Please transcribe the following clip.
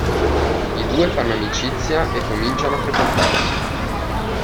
I due fanno amicizia e cominciano a frequentarsi.